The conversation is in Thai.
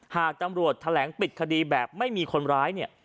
หากตำรวจแถลงปิดคดีแบบไม่มีคนร้ายเนี่ย